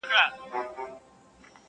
د خان د کوره خو پخه نۀ راځي ,